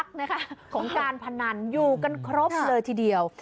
ของการพนันอยู่กันครบเลยทีเดียว